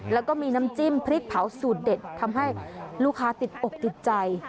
แล้วก็มีน้ำจิ้มพริกเผาสูตรเด็ดทำให้ลูกค้าติดอกติดใจ